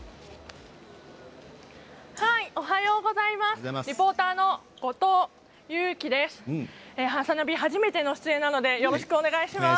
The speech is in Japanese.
おはようございます。